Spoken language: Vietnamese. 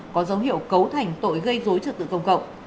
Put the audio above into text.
có dấu hiệu cấu thành tội gây dối trật tự công cộng